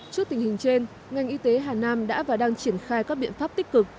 trước tình hình trên ngành y tế hà nam đã và đang triển khai các biện pháp tích cực